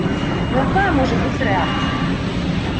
Ну, якая можа быць рэакцыя?